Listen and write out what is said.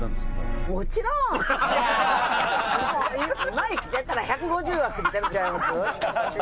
今生きてたら１５０は過ぎてるんちゃいます？